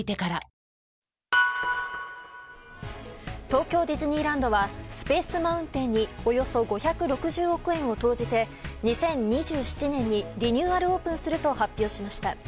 東京ディズニーランドはスペース・マウンテンにおよそ５６０億円を投じて２０２７年にリニューアルオープンすると発表しました。